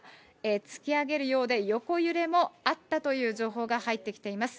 突き上げるようで横揺れもあったという情報が入ってきています。